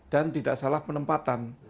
dan tidak salah penempatan